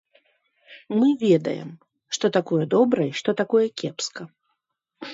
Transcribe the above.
Мы ведаем, што такое добра і што такое кепска.